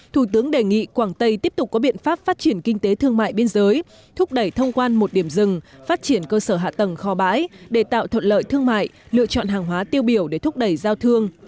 thủ tướng đề nghị quảng tây tiếp tục có biện pháp phát triển kinh tế thương mại biên giới thúc đẩy thông quan một điểm rừng phát triển cơ sở hạ tầng kho bãi để tạo thuận lợi thương mại lựa chọn hàng hóa tiêu biểu để thúc đẩy giao thương